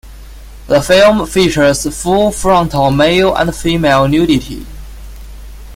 The film features full-frontal male and female nudity.